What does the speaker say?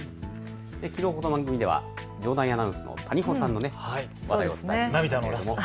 きのう、この番組では場内アナウンス谷保さんの話題をお伝えしました。